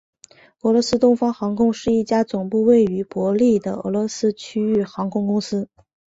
俄罗斯东方航空是一家总部位于伯力的俄罗斯区域航空公司。